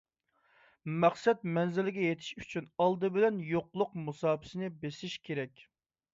مەقسەت مەنزىلىگە يېتىش ئۈچۈن، ئالدى بىلەن يوقلۇق مۇساپىسىنى بېسىش كېرەك.